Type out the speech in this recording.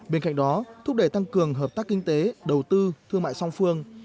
bên cạnh đó thúc đẩy tăng cường hợp tác kinh tế đầu tư thương mại song phương